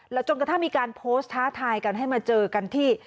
แล้วจนกระทั่งมีการโพสต์ท้าทายกันให้มาเจอกันที่